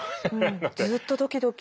ずっとドキドキ。